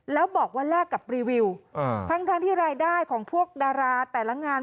แล้วบอกว่าแลกกับรีวิวทั้งที่รายได้ของพวกดาราแต่ละงาน